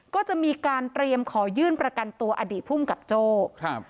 ก็จะมีการเตรียมขอยื่นประกันตัวอดีตพุ่มกับโจพ